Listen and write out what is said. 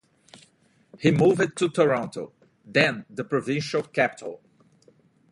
He moved to Toronto, then the provincial capital.